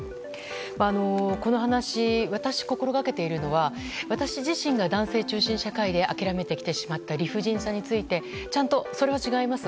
この話、私、心がけているのは私自身が男性中心社会で諦めてきてしまった理不尽さについてちゃんとそれは違います